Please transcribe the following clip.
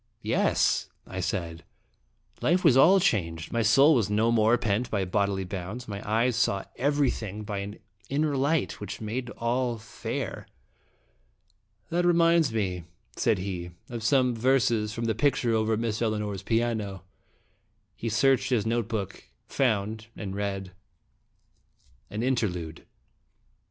" 1 'Yes," I said; "life was all changed, my soul was no more pent by bodily bounds, my eyes saw everything by an inner light which made all fair." "That reminds me," said he, "of some JUramatic in ittg Resting. 127 verses about the picture over Miss Elinor's piano." He searched his note book, found, and read : AN INTERLUDE.